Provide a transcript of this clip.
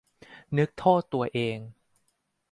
นึกโทษตัวเอง